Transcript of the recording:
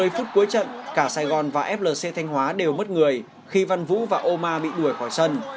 một mươi phút cuối trận cả sài gòn và flc thanh hóa đều mất người khi văn vũ và o ma bị đuổi khỏi sân